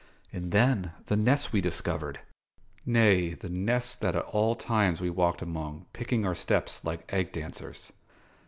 And then, the nests we discovered! nay, the nests that at times we walked among, picking our steps like egg dancers!